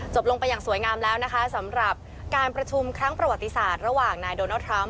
ลงไปอย่างสวยงามแล้วนะคะสำหรับการประชุมครั้งประวัติศาสตร์ระหว่างนายโดนัลดทรัมป